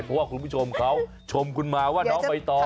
เพราะว่าคุณผู้ชมเขาชมคุณมาว่าน้องใบตอง